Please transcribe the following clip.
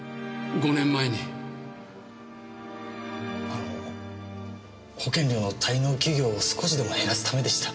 あの保険料の滞納企業を少しでも減らすためでした。